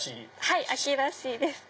はい秋らしいです。